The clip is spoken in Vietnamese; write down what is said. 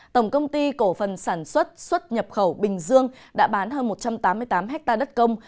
tổng công ty cổ phần sản xuất xuất nhập khẩu bình dương đã bán hơn một trăm tám mươi tám ha đất công